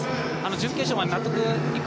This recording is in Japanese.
準決勝は納得いく